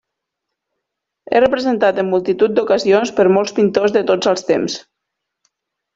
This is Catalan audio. És representat en multitud d'ocasions per molts pintors de tots els temps.